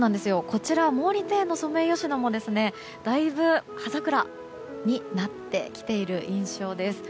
こちら毛利庭園のソメイヨシノもだいぶ、葉桜になってきている印象です。